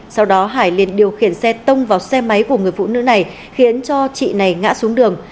sau đó hải liền điều khiển xe tông vào xe máy của người phụ nữ này khiến cho chị này ngã xuống đường